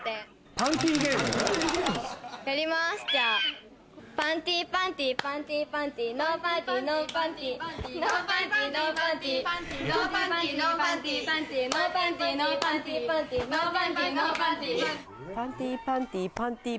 パンティーパンティーパンティーパンティーノーパンティーノーパンティー。